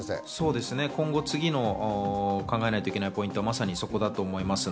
今後、次の考えなきゃいけないポイントはそこだと思います。